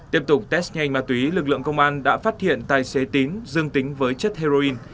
tiếp tục test nhanh ma túy lực lượng công an đã phát hiện tài xế tín dương tính với chất heroin